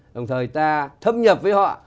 đồng thời ta thâm nhập với họ